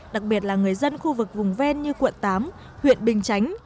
đặc biệt là người dân khu vực vùng ven như quận tám huyện bình chánh